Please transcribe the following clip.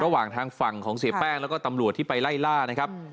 ระหว่างทางฝั่งของเสียแป้งแล้วก็ตำรวจที่ไปไล่ล่านะครับ